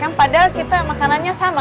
yang padahal kita makanannya sama